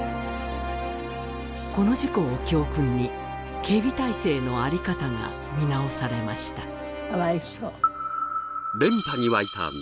この事故を教訓に警備体制のあり方が見直されました